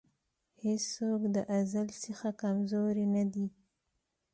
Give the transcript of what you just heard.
هېڅوک د ازل څخه کمزوری نه دی.